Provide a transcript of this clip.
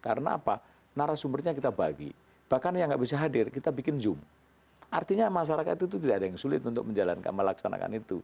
karena apa narasumbernya kita bagi bahkan yang nggak bisa hadir kita bikin zoom artinya masyarakat itu tidak ada yang sulit untuk menjalankan melaksanakan itu